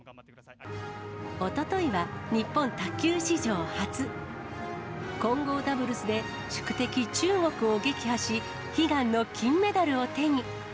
おとといは、日本卓球史上初、混合ダブルスで宿敵、中国を撃破し、悲願の金メダルを手に。